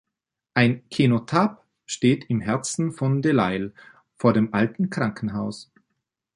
Ein Kenotaph steht im Herzen von Delisle vor dem alten Krankenhaus.